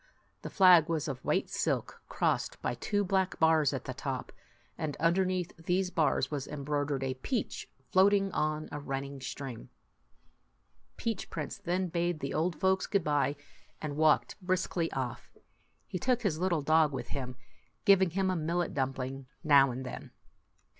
The flag was of white silk, crossed by two black bars at the top ; and underneath these bars was embroidered a peach floating on a run ning stream. Peach Prince then bade the old folks good by, and walked briskly off. He took his little dog with him, giving him a millet dumpling now and then.